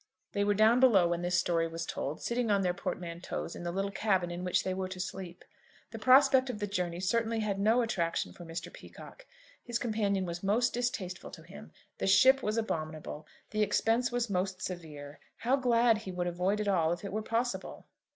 They were down below when this story was told, sitting on their portmanteaus in the little cabin in which they were to sleep. The prospect of the journey certainly had no attraction for Mr. Peacocke. His companion was most distasteful to him; the ship was abominable; the expense was most severe. How glad would he avoid it all if it were possible!